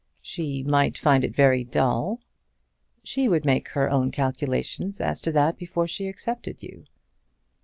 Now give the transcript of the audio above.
"She might find it very dull." "She would make her own calculations as to that before she accepted you."